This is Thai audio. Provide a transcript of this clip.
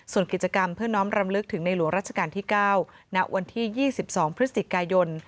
ส่วนกิจกรรมเพื่อน้องรำลึกถึงในหลวงราชการที่๙ณวันที่๒๒พฤศจิกายน